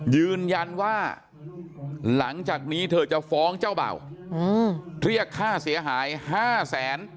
ยืนยันว่าหลังจากนี้เธอจะฟ้องเจ้าเบ่าเรียกค่าเสียหาย๕แสน